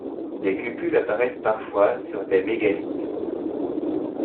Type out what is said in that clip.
Des cupules apparaissent parfois sur des mégalithes.